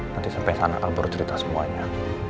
nanti sampai sana aku baru cerita semuanya